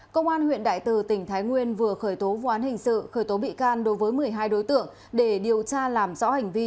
công an huyện đại từ tỉnh thái nguyên vừa khởi tố vụ án hình sự khởi tố bị can đối với một mươi hai đối tượng để điều tra làm rõ hành vi